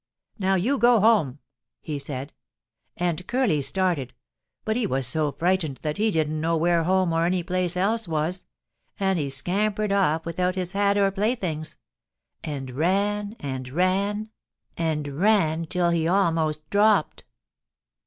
'Now, you go home!' he said, and Curly started, but he was so frightened that he didn't know where home or any place else was, and he scampered off without his hat or playthings, and ran and ran and ran till he almost dropped.